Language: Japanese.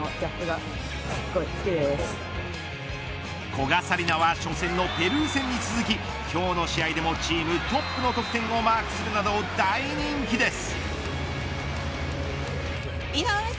古賀紗理那は初戦のペルー戦に続き今日の試合でもチームトップの得点をマークするなど大人気です。